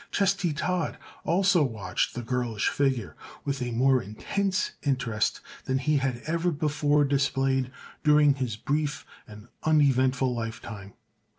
Chesty Todd also watched the girlish figure, with a more intense interest than he had ever before displayed during his brief and uneventful lifetime.